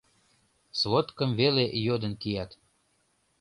Сводкым веле йодын кият.